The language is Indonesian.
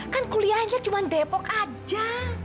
kan kuliahnya cuma depok aja